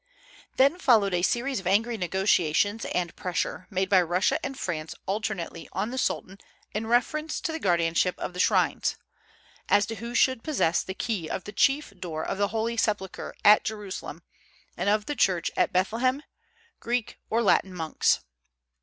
Then followed a series of angry negotiations and pressure made by Russia and France alternately on the Sultan in reference to the guardianship of the shrines, as to who should possess the key of the chief door of the Holy Sepulchre at Jerusalem and of the church at Bethlehem, Greek or Latin monks.